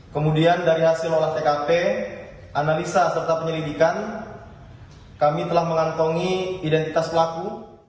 kemudian dari hasil olah tkp analisa serta penyelidikan kami telah mengantongi identitas pelaku